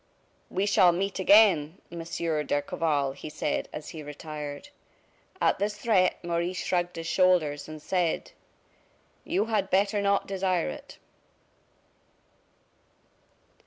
"We shall meet again, Monsieur d'Escorval," he said, as he retired. At this threat, Maurice shrugged his shoulders, and said: "You had better not desire it."